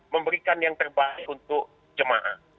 memberikan yang terbaik untuk jemaah